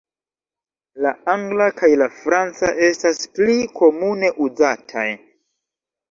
La angla kaj la franca estas pli komune uzataj.